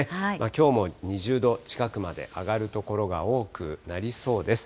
きょうも２０度近くまで上がる所が多くなりそうです。